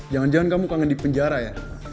jangan jangan kamu kangen di penjara ya